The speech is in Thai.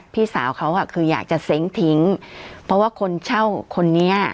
พี่สาวเขาอ่ะคืออยากจะเซ้งทิ้งเพราะว่าคนเช่าคนนี้